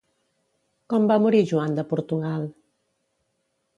Com va morir Joan de Portugal?